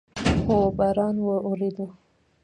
هو، باران اوورېدو